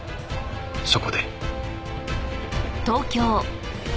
そこで。